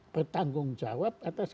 bertanggung jawab atas